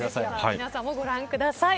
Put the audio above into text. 皆さんもご覧ください。